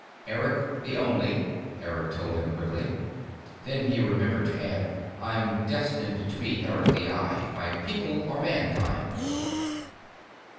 "Eric the Only," Eric told him quickly. Then he remembered to add: "I'm destined to be Eric the Eye. My people are Mankind."